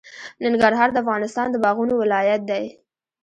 ننګرهار د افغانستان د باغونو ولایت دی.